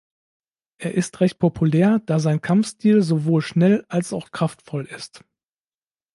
Er ist recht populär, da sein Kampfstil sowohl schnell als auch kraftvoll ist.